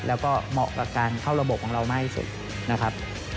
แล้วก็เหมาะกับการเข้าระบบของเรามากที่สุดนะครับ